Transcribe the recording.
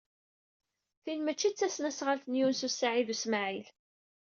Tin maci d tasnasɣalt n Yunes u Saɛid u Smaɛil.